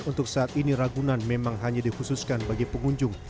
untuk saat ini ragunan memang hanya dikhususkan bagi pengunjung